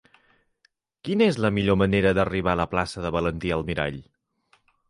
Quina és la millor manera d'arribar a la plaça de Valentí Almirall?